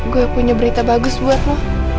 gue punya berita bagus buatmu